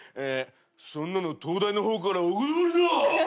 「そんなの東大の方からお断りだ！」